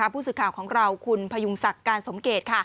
ผู้สื่อข่าวของเราคุณพยุงศักดิ์การสมเกต